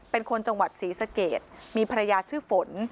เป็นคนจังหวัดศรีสะเกดมีภรรยาชื่อฝน